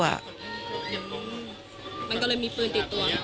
มันก็เลยมีปืนติดตัว